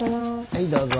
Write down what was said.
はいどうぞ。